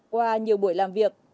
qua nhiều buổi làm việc